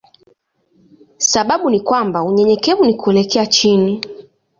Sababu ni kwamba unyenyekevu ni kuelekea chini.